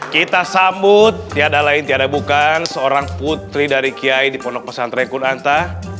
kita sambut tiada lain tiada bukan seorang putri dari kiai di ponokosan trekun anta